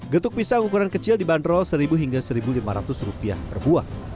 getuk pisang ukuran kecil dibanderol seribu hingga rp satu lima ratus per buah